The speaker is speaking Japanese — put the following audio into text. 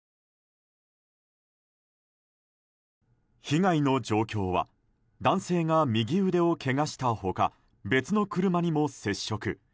被害の状況は男性が右腕をけがした他別の車にも接触。